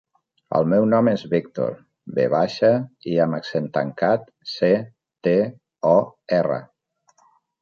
El meu nom és Víctor: ve baixa, i amb accent tancat, ce, te, o, erra.